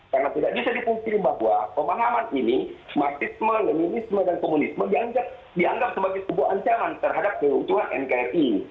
karena tidak bisa dipungkiri bahwa pemahaman ini marxisme leninisme dan komunisme yang dianggap sebagai sebuah ancaman terhadap keutuhan nkri